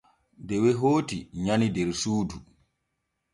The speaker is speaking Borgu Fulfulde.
Dewe hooti nyani der suudu.